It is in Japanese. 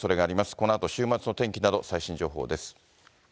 このあと週末のお天気など、最新情報です。